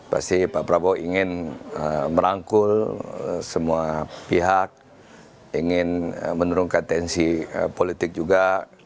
pasti pak prabowo ingin merangkul semua pihak ingin menurunkan tensi politik juga